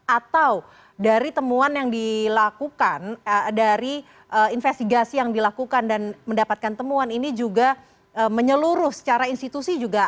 atau dari temuan yang dilakukan dari investigasi yang dilakukan dan mendapatkan temuan ini juga menyeluruh secara institusi juga